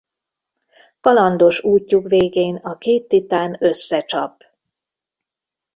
Kalandos útjuk végén a két titán összecsap.